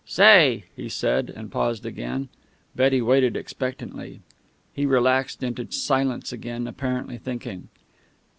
"Say!" he said, and paused again. Betty waited expectantly. He relaxed into silence again, apparently thinking.